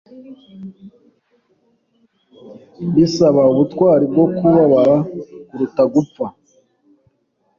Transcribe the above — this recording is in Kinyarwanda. Bisaba ubutwari bwo kubabara kuruta gupfa.